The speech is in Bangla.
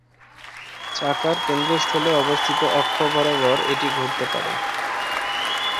চাকার কেন্দ্রস্থলে অবস্থিত অক্ষ বরাবর এটি ঘুরতে পারে।